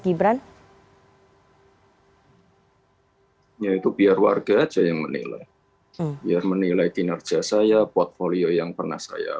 gibran ya itu biar warga aja yang menilai biar menilai kinerja saya portfolio yang pernah saya